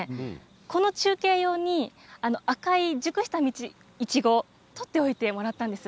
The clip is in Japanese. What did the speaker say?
この中継用に赤い熟したいちご取っておいてもらったんです。